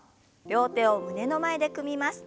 両手を胸の前で組みます。